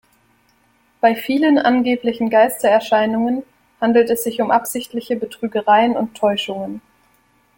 Bei vielen angeblichen Geistererscheinungen handelt es sich um absichtliche Betrügereien und Täuschungen.